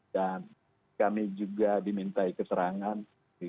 dan kami juga diminta keterangan